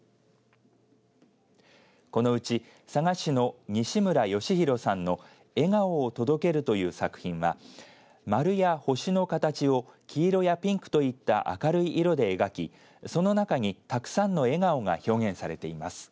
このうち佐賀市の西村嘉浩さんの笑顔を届けるという作品は丸や星の形を黄色やピンクといった明るい色で描きその中にたくさんの笑顔が表現されています。